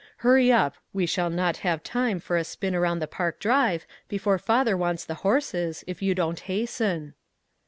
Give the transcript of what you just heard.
Hurry up. we shall not have time for a spin around the park drive before father wants the horses, if you don't hasten."